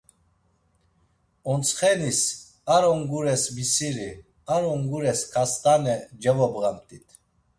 Ontsxenis, ar ongures misiri, ar ongures ǩast̆ane cevobğamt̆it.